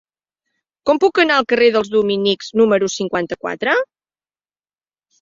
Com puc anar al carrer dels Dominics número cinquanta-quatre?